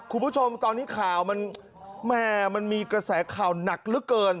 คุณผู้ชมตอนนี้ข่าวมันแม่มันมีกระแสข่าวหนักเหลือเกิน